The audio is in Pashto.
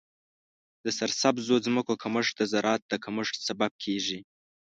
د سرسبزو ځمکو کمښت د زراعت د کمښت سبب کیږي.